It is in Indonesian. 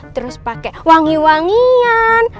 terus pakai wangi wangian